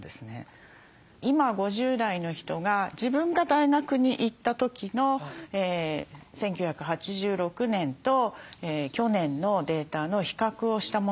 今５０代の人が自分が大学に行った時の１９８６年と去年のデータの比較をしたものなんですね。